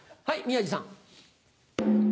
はい宮治さん。